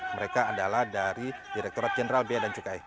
mereka adalah dari direkturat jenderal biaya dan cukai